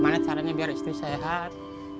gimana caranya biar istri sehat